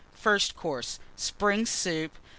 FIRST COURSE. Spring Soup.